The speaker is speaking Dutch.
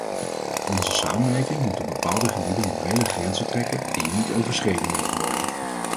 Onze samenleving moet op bepaalde gebieden morele grenzen trekken die niet overschreden mogen worden.